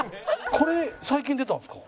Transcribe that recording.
これ最近出たんですか？